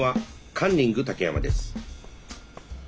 カンニング竹山です。